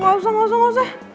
gak usah gak usah gak usah